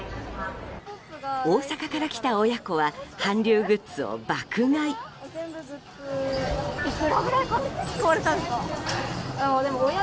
大阪から来た親子は韓流グッズを爆買い。